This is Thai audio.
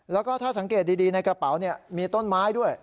แล้วก็ถ้าสังเกตดีในกระเป๋ามีต้นไม้ด้วย